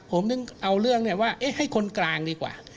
ผมถึงเอาเรื่องว่าให้คนกลางดีกว่า